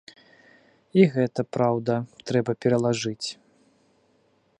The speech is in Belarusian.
І гэта праўда, трэба пералажыць.